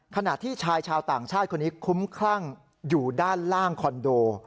ขณะที่ชายชาวต่างชาติคนนี้คุ้มคลั่งอยู่ด้านล่างคอนโด